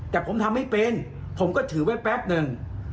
แต่ผมทำไม่เป็นผมก็ถือไว้แป๊บหนึ่ง